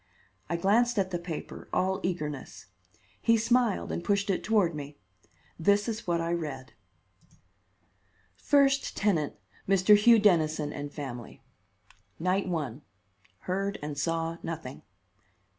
I glanced at the paper, all eagerness. He smiled and pushed it toward me. This is what I read: First tenant, Mr. Hugh Dennison and family. Night 1: Heard and saw nothing.